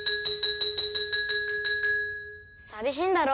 寂しいんだろ？